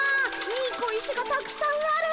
いい小石がたくさんある！